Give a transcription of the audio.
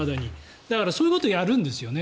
だからそういうことをやるんですよね。